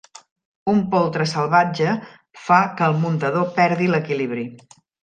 Un poltre salvatge fa que el muntador perdi l'equilibri.